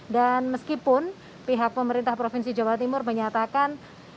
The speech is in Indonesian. dan meskipun pihak pemerintah provinsi jawa timur menyatakan